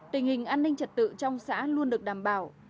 tình hình an ninh trật tự trong xã luôn được đảm bảo